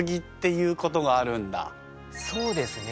そうですね。